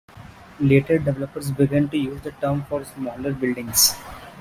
Later developers began to use the term for smaller buildings.